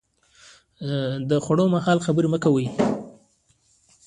د خوړو پر مهال خبرې مه کوئ